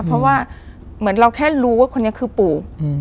เพราะว่าเหมือนเราแค่รู้ว่าคนนี้คือปู่